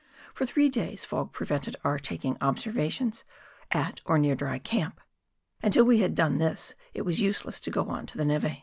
For three days fog prevented our taking observations at or near Dry Camp, and till we had done this it was useless to go on to the neve.